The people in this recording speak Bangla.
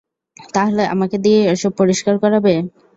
তাহলে আমাকে দিয়েই ওসব পরিষ্কার করাবে।